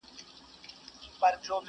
په شل ځله د دامونو د شلولو!!